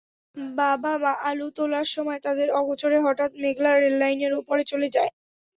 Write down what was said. বাবা-মা আলু তোলার সময় তাঁদের অগোচরে হঠাৎ মেঘলা রেললাইনের ওপরে চলে যায়।